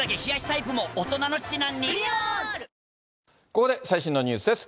ここで最新のニュースです。